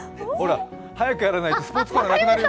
早くやらないとスポーツコーナーなくなるよ。